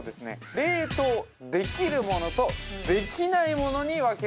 冷凍できるものとできないものに分けていただきます